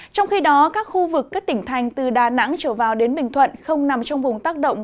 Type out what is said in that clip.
trong khi đó các khu vực các tỉnh thành từ đà nẵng trở vào đến bình thuận không nằm trong vùng tác động